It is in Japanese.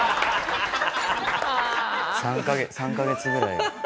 ３カ月ぐらい。